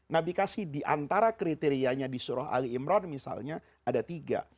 nabi kasih diantara kriterianya di surah ali imran misalnya ada tiga